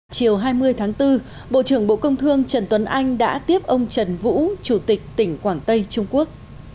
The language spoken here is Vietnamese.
chiều hai mươi tháng bốn bộ trưởng bộ công thương trần tuấn anh đã tiếp ông trần vũ chủ tịch tỉnh quảng tây trung quốc